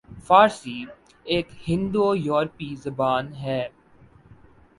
فارسی ایک ہند یورپی زبان ہے